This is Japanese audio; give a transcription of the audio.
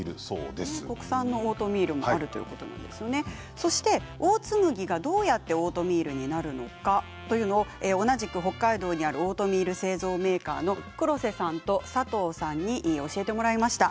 そしてオーツ麦がどうやってオートミールになるのかというのを同じく北海道にあるオートミール製造メーカーの黒瀬さんと佐藤さんに教えてもらいました。